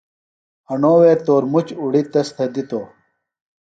ہݨو وے تورمُچ اُڑیۡ تس تھےۡ دِتوۡ۔